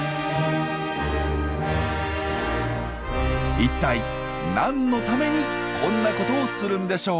一体何のためにこんなことをするんでしょう？